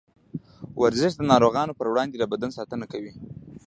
ورزش د نارغيو پر وړاندې د بدن ساتنه کوي.